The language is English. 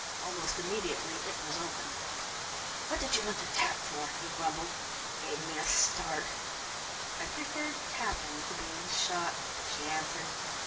Almost immediately it was opened. "What did you want to tap for?" he grumbled. "You gave me a start." "I preferred tapping to being shot," she answered.